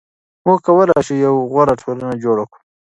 موږ کولای شو یوه غوره ټولنه جوړه کړو.